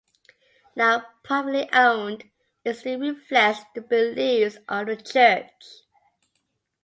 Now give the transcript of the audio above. Now privately owned, it still reflects the beliefs of the church.